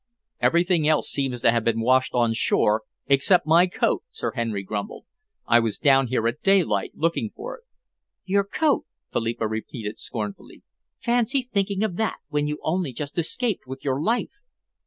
"Everything else seems to have been washed on shore except my coat," Sir Henry grumbled. "I was down here at daylight, looking for it." "Your coat!" Philippa repeated scornfully. "Fancy thinking of that, when you only just escaped with your life!"